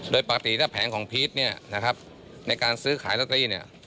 โดยปกติถ้าแผงของพีชในการซื้อขายลัตเตอรี่